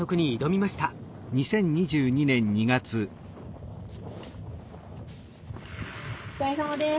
お疲れさまです。